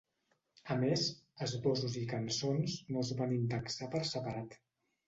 A més, esbossos i cançons no es van indexar per separat.